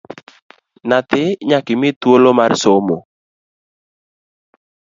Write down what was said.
Nyathi nyakimi thuolo mar somo